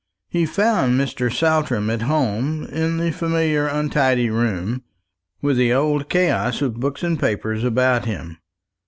He found Mr. Saltram at home in the familiar untidy room, with the old chaos of books and papers about him.